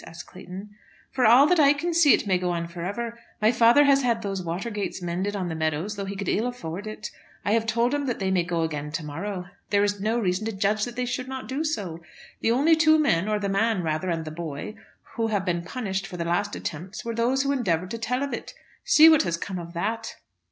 asked Clayton. "For all that I can see it may go on for ever. My father has had those water gates mended on the meadows though he could ill afford it. I have told him that they may go again to morrow. There is no reason to judge that they should not do so. The only two men, or the man, rather, and the boy, who have been punished for the last attempt were those who endeavoured to tell of it. See what has come of that!"